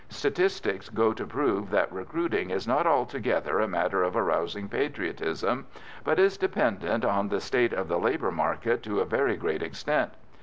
Statistics go to prove that recruiting is not altogether a matter of arousing patriotism, but is dependent on the state of the labour market to a very great extent.